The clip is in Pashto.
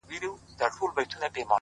د رنگونو په کتار کي يې ويده کړم’